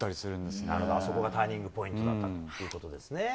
あそこがターニングポイントだったということですね。